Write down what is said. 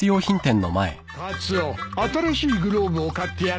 カツオ新しいグローブを買ってやろうか。